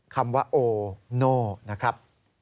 คำว่าโอโน่นะครับ